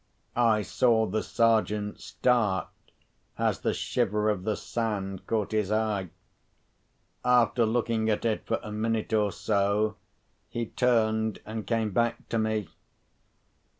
I saw the Sergeant start as the shiver of the sand caught his eye. After looking at it for a minute or so, he turned and came back to me.